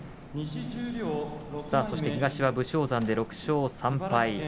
そして東の武将山６勝３敗。